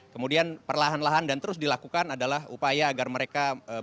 kemudian perlahan lahan dan terus dilakukan adalah upaya agar mereka bisa